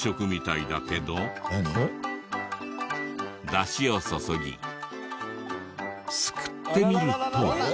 だしを注ぎすくってみると。